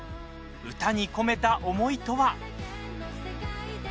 歌に込めた思いとは？